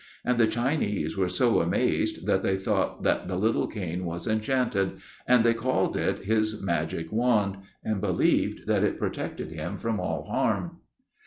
And the Chinese were so amazed that they thought that the little cane was enchanted, and they called it his 'magic wand,' and believed that it protected him from all harm.